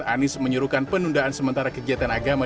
anies menyuruhkan penundaan sementara kegiatan agama